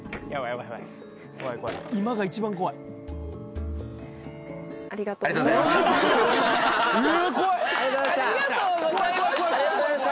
今が一番怖いありがとうございました・